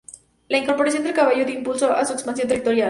La incorporación del caballo dio impulso a su expansión territorial.